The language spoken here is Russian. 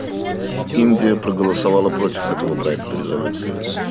Индия проголосовала против этого проекта резолюции.